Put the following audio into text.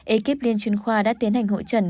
ekip liên chuyên khoa đã tiến hành hội trần